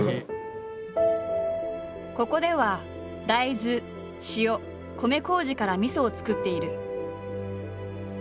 ここでは大豆塩米こうじからみそを造っている。